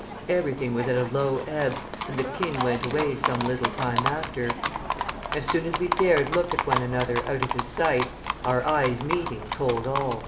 Everything was at a low ebb, and the king went away some little time after. As soon as we dared look at one another out of his sight, our eyes meeting told all."